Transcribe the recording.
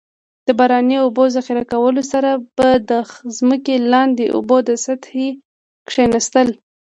د باراني اوبو ذخیره کولو سره به د ځمکې لاندې اوبو د سطحې کیناستل.